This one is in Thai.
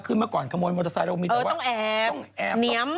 คือเมื่อก่อนขโมยมอเตอร์ไซค์เรามีแต่ว่าต้องแอบ